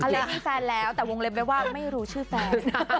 อะไรที่แฟนแล้วแต่วงเล็บเลยว่าไม่รู้ชื่อแฟน